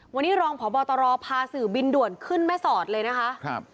วันนี้รองพบตรพาสื่อบินด่วนขึ้นแม่สอดเลยนะคะครับ